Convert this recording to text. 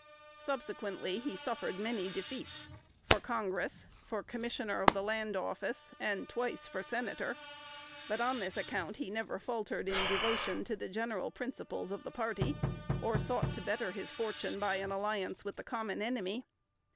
Subsequently he suffered many defeats, for Congress, for Commissioner of the Land Office, and twice for Senator; but on this account he never faltered in devotion to the general principles of the party, or sought to better his fortune by an alliance with the common enemy.